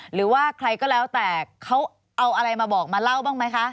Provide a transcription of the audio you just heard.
หรือว่าใครก็แล้วแต่เขาเอาอะไรมาบอกมาเล่าบ้างไหมคะ